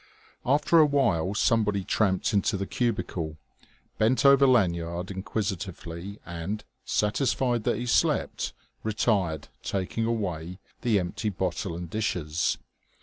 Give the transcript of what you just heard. After a while somebody tramped into the cubicle, bent over Lanyard inquisitively and, satisfied that he slept, retired, taking away the empty bottle and dishes.